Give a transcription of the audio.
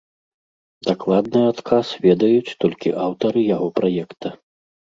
Дакладны адказ ведаюць толькі аўтары яго праекта.